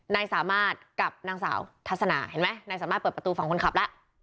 นายสามารถกับนางสาวทัศนาเห็นไหมนายสามารถเปิดประตูฝั่งคนขับแล้ว